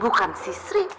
bukan bira bukan sisri